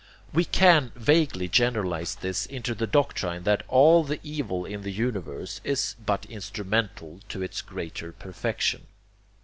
We can vaguely generalize this into the doctrine that all the evil in the universe is but instrumental to its greater perfection.